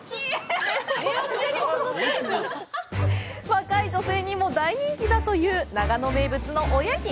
若い女性にも大人気だという長野名物のおやき。